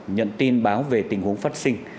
nhận tin báo về tình huống phát sinh